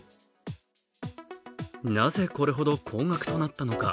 なぜ、これほど高額となったのか。